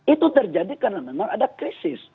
itu terjadi karena memang ada krisis